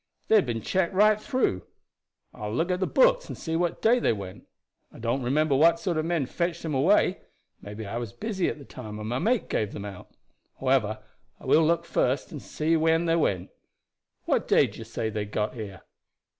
They had been checked right through. I will look at the books and see what day they went. I don't remember what sort of men fetched them away. Maybe I was busy at the time, and my mate gave them out. However, I will look first and see when they went. What day do you say they got here?"